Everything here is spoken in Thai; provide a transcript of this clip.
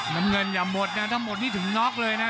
น้ำเงินอย่าหมดนะถ้าหมดนี่ถึงน็อกเลยนะ